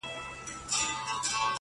پيشو پوه سول چي موږك جنگ ته تيار دئ٫